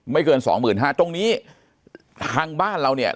ไม่เกิน๒หมื่น๕ตรงนี้ทางบ้านเราเนี่ย